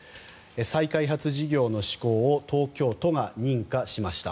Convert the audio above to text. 再開発事業の施行を東京都が認可しました。